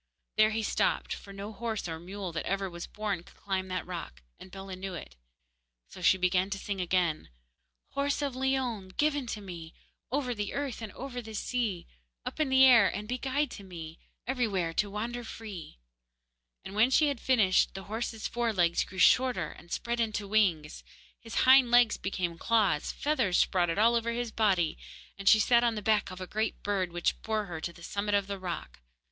There he stopped, for no horse or mule that ever was born could climb that rock, and Bellah knew it, so she began to sing again: Horse of Leon, given to me, Over the earth and over the sea, Up in the air be guide to me, Everywhere to wander free, and when she had finished, the horse's fore legs grew shorter and spread into wings, his hind legs became claws, feathers sprouted all over his body, and she sat on the back of a great bird, which bore her to the summit of the rock.